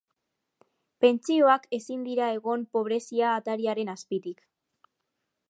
Pentsioak ezin dira egon pobrezia-atariaren azpitik.